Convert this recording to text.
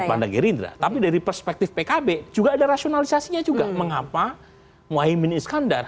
tetapi dari perspektif pkb juga ada rasionalisasinya juga mengapa mohaiman iskandar